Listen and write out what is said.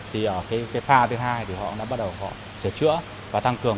thì ở cái pha thứ hai thì họ đã bắt đầu họ sửa chữa và tăng cường